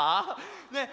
ねえ